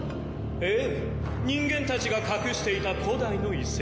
えぇ人間たちが隠していた古代の遺跡。